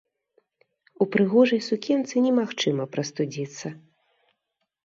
У прыгожай сукенцы немагчыма прастудзіцца.